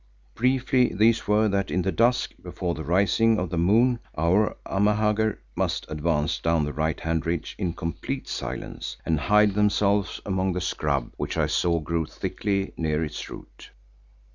Briefly these were that in the dusk before the rising of the moon, our Amahagger must advance down the right hand ridge in complete silence, and hide themselves among the scrub which I saw grew thickly near its root.